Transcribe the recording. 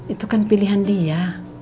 itu kan pilihan dia